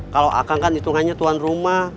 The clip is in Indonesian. kalau akang kan hitungannya tuan rumah